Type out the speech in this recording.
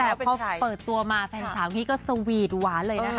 แต่พอเปิดตัวมาแฟนสาวอย่างนี้ก็สวีทหวานเลยนะคะ